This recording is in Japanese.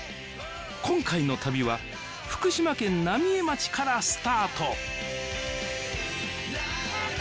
今回の旅は福島県・浪江町からスタート